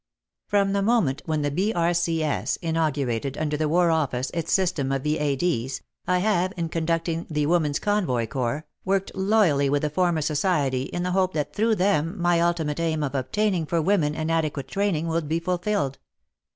From the moment when the B.R.C.S. in augurated, under the War Office, its system of V.A.D.'s, I have, in conducting the "Women's Convoy Corps," v/orked loyally with the former Society in the hope that through them my ultimate aim of obtaining for women an ade quate training would be fulfilled.